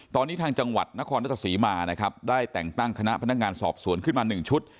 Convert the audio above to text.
ตอนนี้ทางจังหวัดนครรัฐศรีมานะครับได้แต่งตั้งคณะพนักงานสอบสวนขึ้นมา๑ชุด